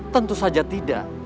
tentu saja tidak